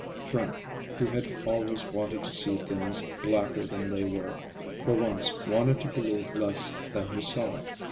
Frank, who had always wanted to see things blacker than they were, for once wanted to believe less than he saw.